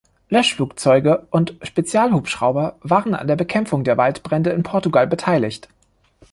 Löschflugzeuge und Spezialhubschrauber waren an der Bekämpfung der Waldbrände in Portugal beteiligt.